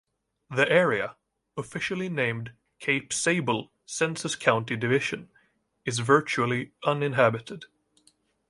The area, officially named Cape Sable Census County Division, is virtually uninhabited.